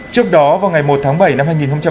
trước đó vào ngày một tháng bảy năm hai nghìn hai mươi